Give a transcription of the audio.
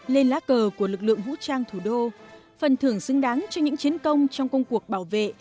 lên lá cờ của lực lượng vũ trang thủ đô phần thưởng xứng đáng cho những chiến công trong công cuộc bảo vệ